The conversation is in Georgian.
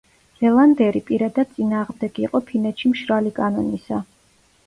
რელანდერი პირადად წინააღმდეგი იყო ფინეთში მშრალი კანონისა.